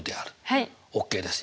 ＯＫです。